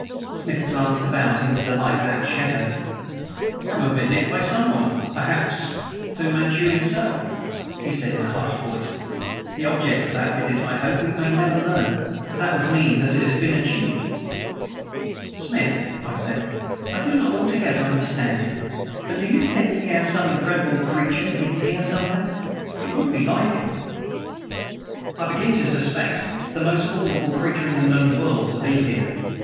Smith glanced about into the light patched shadows. "From a visit by someone perhaps by Fu Manchu himself," he said in a hushed voice. "The object of that visit I hope we may never learn; for that would mean that it had been achieved." "Smith," I said, "I do not altogether understand you; but do you think he has some incredible creature hidden here somewhere? It would be like him." "I begin to suspect the most formidable creature in the known world to be hidden here.